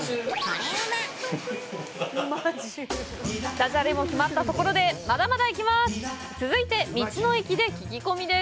ダジャレも決まったところでまだまだ行きます！